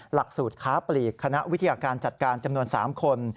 หลักสูตรค้าปลีกคณะวิทยาการจัดการจำนวน๓คน